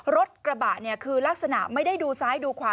รถกระบะเนี่ยคือลักษณะไม่ได้ดูซ้ายดูขวา